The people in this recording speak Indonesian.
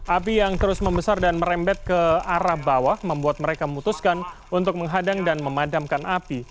api yang terus membesar dan merembet ke arah bawah membuat mereka memutuskan untuk menghadang dan memadamkan api